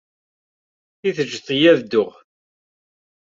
I tejjed-iyi ad dduɣ?